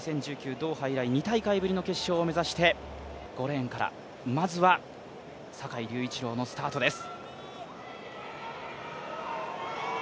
ドーハ以来２大会ぶりの決勝を目指して５レーンからまずは坂井隆一郎のスタートです。